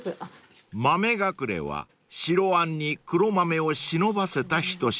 ［豆隠れは白あんに黒豆を忍ばせた一品］